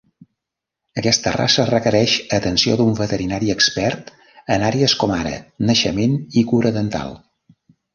Aquesta raça requereix atenció d'un veterinari expert en àrees com ara naixement i cura dental.